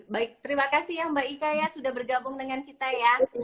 baik terima kasih ya mbak ika ya sudah bergabung dengan kita ya